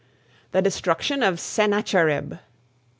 THE DESTRUCTION OF SENNACHERIB.